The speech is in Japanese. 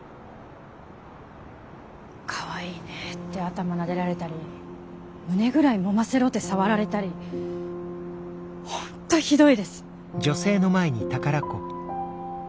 かわいいねって頭なでられたり胸ぐらいもませろって触られたりホントひどいです。